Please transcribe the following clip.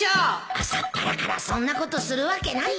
朝っぱらからそんなことするわけないよ